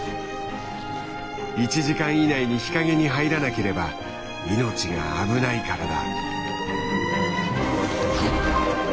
１時間以内に日陰に入らなければ命が危ないからだ。